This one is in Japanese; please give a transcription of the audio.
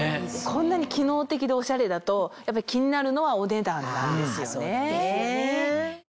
こんなに機能的でオシャレだとやっぱり気になるのはお値段なんですよね。